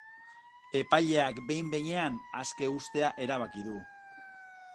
Epaileak behin-behinean aske uztea erabaki du.